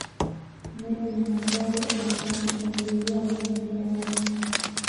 nyati ni hatari anapoingiliwa kwenye njia yake